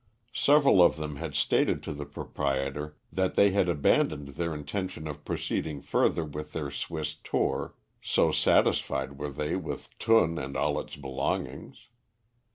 Several of them had stated to the proprietor that they had abandoned their intention of proceeding further with their Swiss tour, so satisfied were they with Thun and all its belongings.